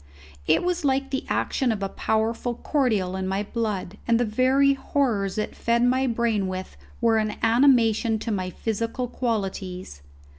It was like the action of a powerful cordial in my blood, and the very horrors it fed my brain with were an animation to my physical qualities.